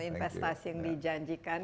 investasi yang dijanjikan